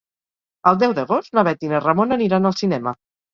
El deu d'agost na Bet i na Ramona aniran al cinema.